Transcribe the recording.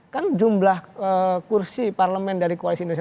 kan jumlah kursi parlemen dari koalisi indonesia